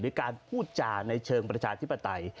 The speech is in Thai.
การพูดจาในเชิงประชาธิปไตย